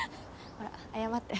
ほら謝って。